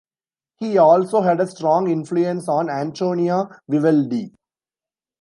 He also had a strong influence on Antonio Vivaldi.